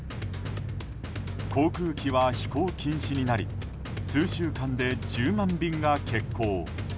航空機は飛行禁止になり数週間で１０万便が欠航。